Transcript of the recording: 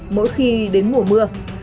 mỗi khi đến mùa mưa